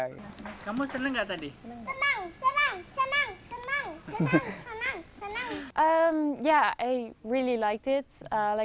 kamu senang gak tadi